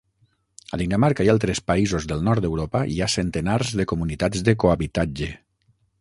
A Dinamarca i altres països del nord d'Europa hi ha centenars de comunitats de cohabitatge.